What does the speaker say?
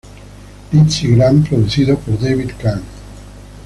Lizzy Grant", producido por David Kahne.